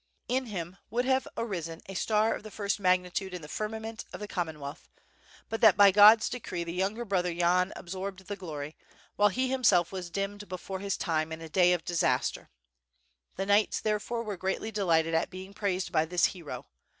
In him would have arisen a star of the first magnitude in the firmament of the Common wealth, but that by God's decree, the younger brother Yan absorbed the glory, while he himself was dimmed before his time in a day of disaster. The knights therefore were greatly delighted at being praised by this hero.